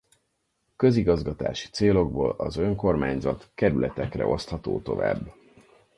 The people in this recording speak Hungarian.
Közigazgatási célokból az önkormányzat kerületekre osztható tovább.